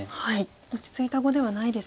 落ち着いた碁ではないですね。